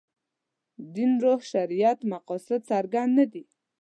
دین روح شریعت مقاصد څرګند نه دي.